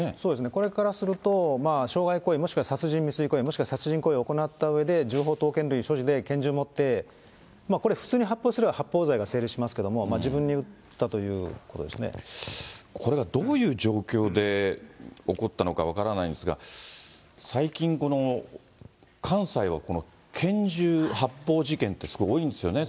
これからすると、傷害行為、もしくは殺人未遂行為、もしくは殺人行為を行ったうえで、銃砲刀剣類所持で拳銃をもって、これ、普通に発砲すれば、発砲罪が成立しますけれども、自分に撃ったとこれがどういう状況で起こったのか分からないんですが、最近、関西は拳銃発砲事件ってすごい多いんですよね。